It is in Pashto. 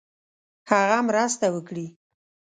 هغه مرسته وکړي.